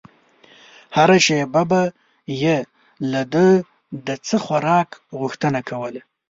هره شېبه به يې له ده د څه خوراک غوښتنه کوله.